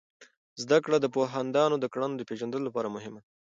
زده کړه د پوهاندانو د کړنو د پیژندلو لپاره مهم دی.